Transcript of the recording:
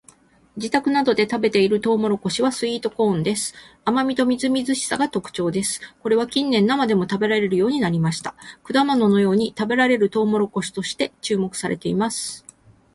自宅などで食べているトウモロコシはスイートコーンです。甘味とみずみずしさが特徴です。これは近年生でも食べられるようになりました。果物のように食べられるトウモロコシとして注目されています。